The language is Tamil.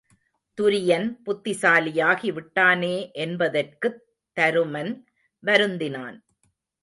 துரியன் புத்திசாலியாகிவிட்டானே என்பதற்குத் தருமன் வருந்தினான்.